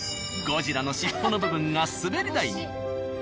ゴジラの尻尾の部分が滑り台に。